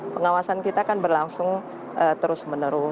pengawasan kita kan berlangsung terus menerus